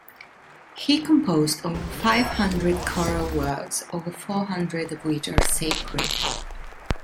He composed over five hundred choral works, over four hundred of which are sacred.